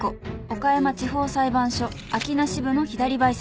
［岡山地方裁判所秋名支部の左陪席です］